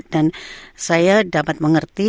dan saya dapat mengerti